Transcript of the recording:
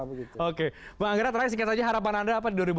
pak anggera sekian saja harapan anda apa di dua ribu dua puluh